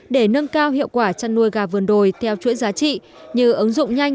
để nâng cao hiệu quả chăn nuôi gà vườn đồi theo chuỗi giá trị như ứng dụng nhanh